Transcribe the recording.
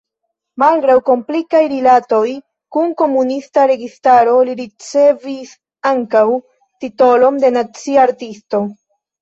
Malgraŭ komplikaj rilatoj kun komunista registaro li ricevis ankaŭ titolon de Nacia artisto.